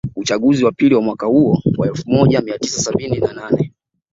Uchaguzi wa pili wa mwaka huo wa elfu moja mia tisa sabini na nane